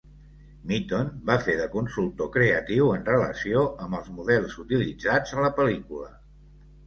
Mitton va fer de consultor creatiu en relació amb els models utilitzats a la pel·lícula.